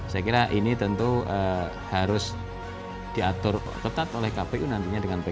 saya kira ini tentu harus diatur ketat oleh kpu nantinya dengan baik